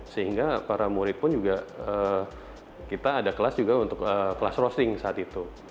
sehingga para murid pun juga kita ada kelas juga untuk kelas roasting saat itu